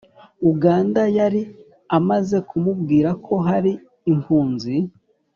uganda yari amaze kumubwira ko hari impunzi